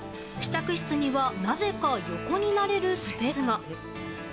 試着室には、なぜか横になれるスペースが。